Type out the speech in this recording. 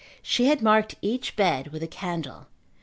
She had marked each bed with a candle.